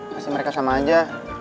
masih mereka sama aja